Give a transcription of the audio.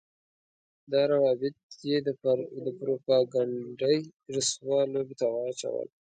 دا روابط يې د پروپاګنډۍ رسوا لوبې ته واچول.